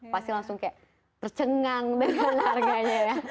pasti langsung kayak tercengang dengan harganya ya